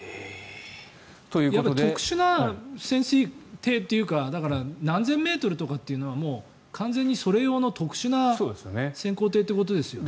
特殊な潜水艇というか何千メートルというのは完全にそれ用の特殊な潜航艇ということですよね。